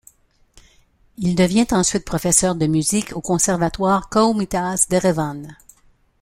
Il devient ensuite professeur de musique au conservatoire Komitas d'Erevan.